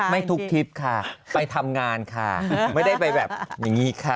ไม่ทุกทริปค่ะไปทำงานค่ะไม่ได้ไปแบบอย่างนี้ค่ะ